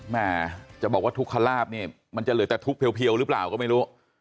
แม่จะบอกว่าทุกขลาบเนี่ยมันจะเหลือแต่ทุกข์เพียวหรือเปล่าก็ไม่รู้